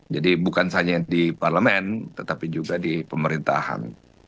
jadi bukan hanya di parlemen tetapi juga di pemerintahan